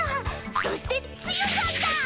そして強かった！